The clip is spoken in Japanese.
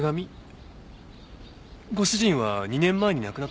ご主人は２年前に亡くなったと。